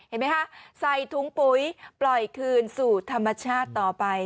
เห็นไหมคะใส่ถุงปุ๋ยปล่อยคืนสู่ธรรมชาติต่อไป